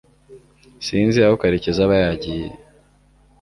Sinzi aho karekezi aba yajyiye